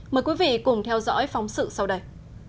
mời quý vị cùng theo dõi phóng sự sau đây